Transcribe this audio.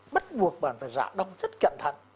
bắt buộc bạn phải rã đông rất cẩn thận